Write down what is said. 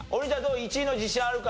１位の自信あるか？